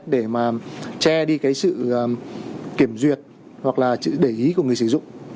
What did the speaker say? để mà che đi cái sự kiểm duyệt hoặc là sự để ý của người sử dụng